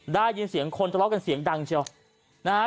ได้ยินเสียงคนทะเลาะกันเสียงดังเชียวนะฮะ